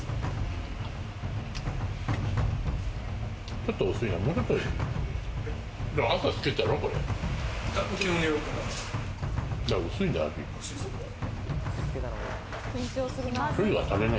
ちょっと薄いな。